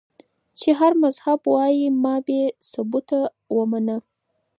چې هر مذهب وائي ما بې ثبوته اومنه